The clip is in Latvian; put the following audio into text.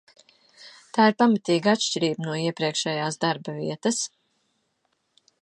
Tā ir pamatīga atšķirība no iepriekšējās darba vietas.